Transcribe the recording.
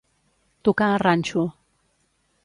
Tocar a ranxo.